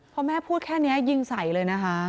พอแม่พูดแค่นี้ยิงใส่เลยนะคะ